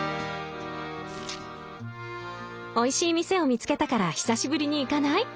「おいしい店を見つけたから久しぶりに行かない？